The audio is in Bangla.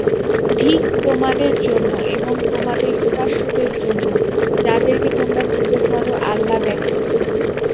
ধিক তোমাদের জন্যে এবং তোমাদের উপাস্যদের জন্যে যাদেরকে তোমরা পূজা কর আল্লাহ ব্যতীত।